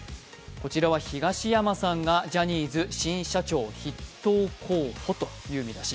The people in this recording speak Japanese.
こちらは東山さんがジャニーズ新社長筆頭候補という見出し。